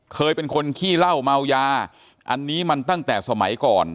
เคยเป็นคนขี้เหล้าเมายาอันนี้มันตั้งแต่สมัยก่อน